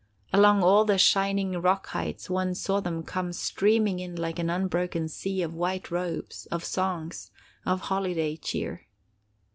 Along all the shining rock heights one saw them come streaming in like an unbroken sea of white robes, of songs, of holiday cheer.